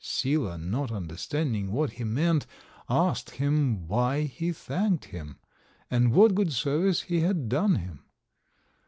Sila, not understanding what he meant, asked him why he thanked him, and what good service he had done him.